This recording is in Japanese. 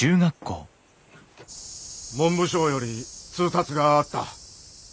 文部省より通達があった。